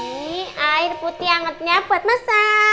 ini air putih angetnya buat masa